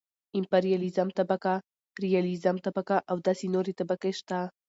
امپرياليزم طبقه ،رياليزم طبقه او داسې نورې طبقې شته .